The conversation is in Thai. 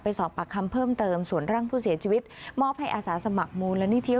สอบปากคำเพิ่มเติมส่วนร่างผู้เสียชีวิตมอบให้อาสาสมัครมูลนิธิ